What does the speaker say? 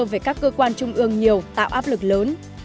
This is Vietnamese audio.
về các cơ quan trung ương nhiều tạo áp lực lớn